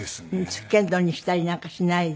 つっけんどんにしたりなんかしないで。